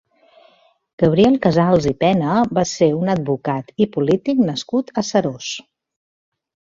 Gabriel Casals i Pena va ser un advocat i polític nascut a Seròs.